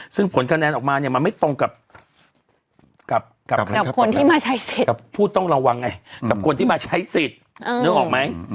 ซึ่งผลคะแนนออกมามันไม่ตรงกับผู้ต้องระวังไงกับคนที่มาใช้สิทธิ์นึกออกไหม